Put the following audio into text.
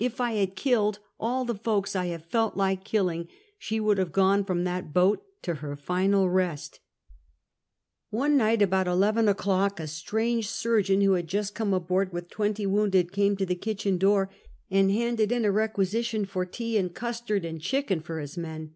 If I had killed all the folks I have felt like killing, she would have gone from that boat to her final rest. Take Final Leave of Feedeeicksbckg. 351 One night about eleven o'clock a strange surgeon, who had just come aboard with twenty wounded, came to the kitchen door, and handed in a requisition for tea and custard and chicken for his men.